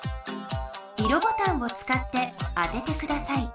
色ボタンをつかって当ててください。